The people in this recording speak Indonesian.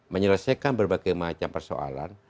menyelesaikan berbagai macam persoalan